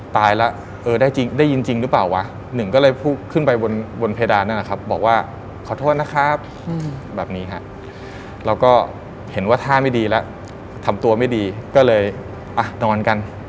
แบบนี้ค่ะแล้วก็เห็นว่าท่าไม่ดีแล้วทำตัวไม่ดีก็เลยอ่ะนอนกัน